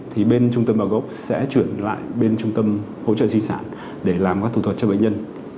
thì bên trung tâm bào gốc sẽ chuyển lại bên trung tâm hỗ trợ sinh sản để làm các thu thuật cho bệnh nhân